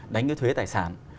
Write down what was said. đánh cái thuê tài sản